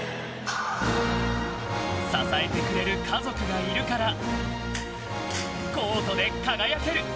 支えてくれる家族がいるからコートで輝ける。